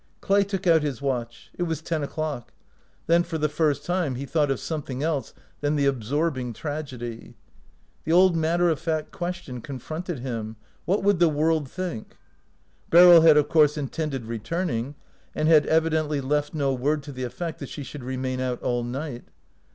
Clay took out his watch. It was ten o'clock. Then for the first time he thought of something else than the absorbing trag edy. The old matter of fact question con fronted him, What would the world think? Beryl had of course intended returning, and had evidently left no word to the effect that she should remain out all night.